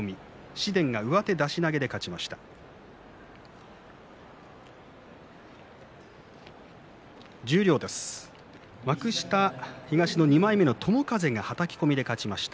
紫雷が上手出し投げで勝ちました。